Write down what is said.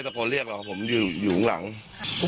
แต่เขาก็ไม่ยอมออก